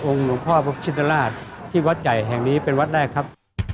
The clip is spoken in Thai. ว่าองค์หลวงพ่อพระพุทธชินตราศน์ที่วัดใหญ่แห่งนี้เป็นวัดยากครับ